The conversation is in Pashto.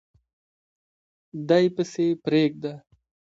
دی پسي پریږده